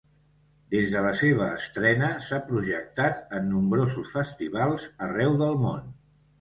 Des de la seva estrena s'ha projectat en nombrosos festivals arreu del món.